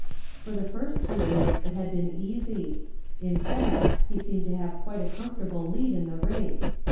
For the first two weeks it had been easy in fact, he seemed to have quite a comfortable lead in the race.